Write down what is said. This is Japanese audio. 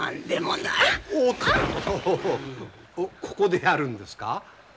ここでやるんですか？